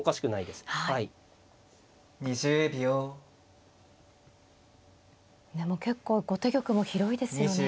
でも結構後手玉も広いですよね。